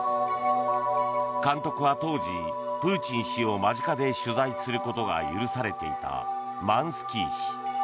監督は、当時プーチン氏を間近で取材することが許されていたマンスキー氏。